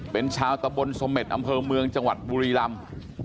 เป็นชาวตะบนสเม็ดอำเภอเมืองจังหวัดบุรีรำ